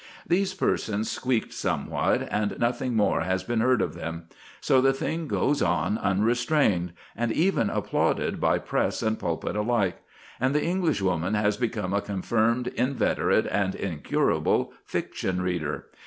These persons squeaked somewhat, and nothing more has been heard of them. So the thing goes on unrestrained, and even applauded by press and pulpit alike; and the Englishwoman has become a confirmed, inveterate, and incurable fiction reader.